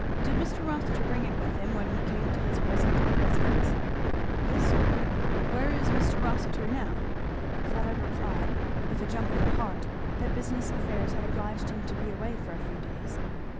"Did Mr. Rossitur bring it with him when he came to his present residence?" "Yes sir." "Where is Mr. Rossitur now?" Fleda replied, with a jump of her heart, that business affairs had obliged him to be away for a few days.